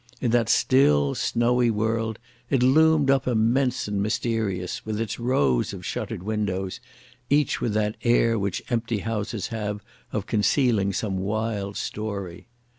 In that still, snowy world it loomed up immense and mysterious with its rows of shuttered windows, each with that air which empty houses have of concealing some wild story.